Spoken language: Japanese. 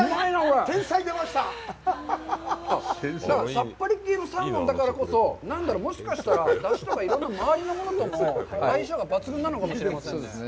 さっぱり系のサーモンだからこそ、何だろう、もしかしたら、出汁とか、いろんな周りのものとも相性が抜群なのかもしれませんね。